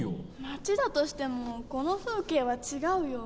町だとしてもこの風景は違うよ。